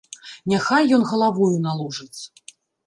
Няхай ён галавою наложыць.